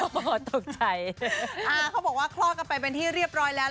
โอ้โหตกใจอ่าเขาบอกว่าคลอดกันไปเป็นที่เรียบร้อยแล้ว